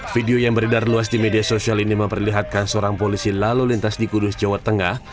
video yang beredar luas di media sosial ini memperlihatkan seorang polisi lalu lintas di kudus jawa tengah